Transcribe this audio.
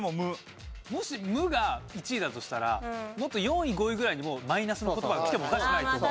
もし「無」が１位だとしたらもっと４位５位ぐらいにマイナスの言葉がきてもおかしくないと思う。